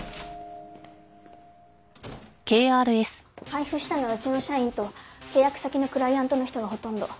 配布したのはうちの社員と契約先のクライアントの人がほとんど。